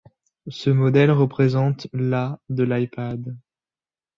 Ce modèle représente la de l'iPad.